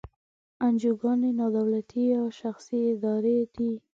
انجوګانې نا دولتي یا شخصي ادارې دي.